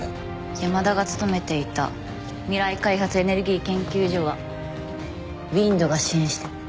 山田が勤めていた未来開発エネルギー研究所はＷＩＮＤが支援してる。